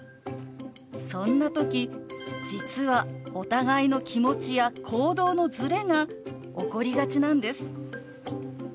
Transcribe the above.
そんな時実はお互いの気持ちや行動のズレが起こりがちなんです。